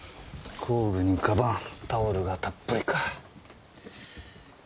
工具に鞄タオルがたっぷりか。